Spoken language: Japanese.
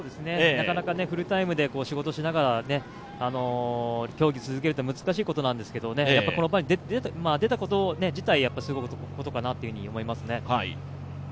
なかなかフルタイムで仕事しながら競技を続けるのは難しいことなんですけれども、この場に出たこと自体すごいことかなと思います。